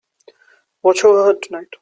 Watch over her tonight.